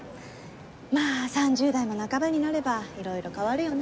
まあ３０代も半ばになればいろいろ変わるよね。